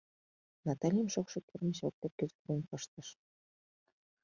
— Наталим шокшо кермыч воктек кӱзыктен пыштыш.